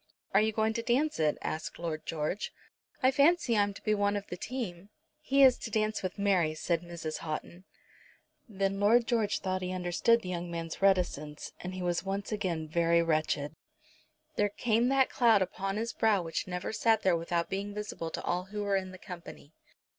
"Are you going to dance it?" asked Lord George. "I fancy I'm to be one of the team." "He is to dance with Mary," said Mrs. Houghton. Then Lord George thought that he understood the young man's reticence, and he was once again very wretched. There came that cloud upon his brow which never sat there without being visible to all who were in the company.